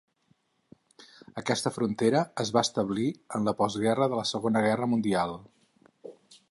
Aquesta frontera es va establir en la postguerra de la Segona Guerra Mundial.